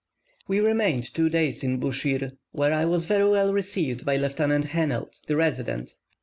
We remained two days in Buschir, where I was very well received by Lieutenant Hennelt, the resident.